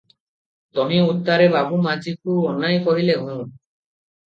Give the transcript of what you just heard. ତହିଁ ଉତ୍ତାରେ ବାବୁ ମାଝିକୁ ଅନାଇ କହିଲେ, "ହୁଁ -"